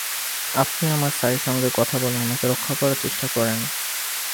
আপনি আপনার স্যারের সঙ্গে কথা বলে আমাকে রক্ষা করার চেষ্টা করেন।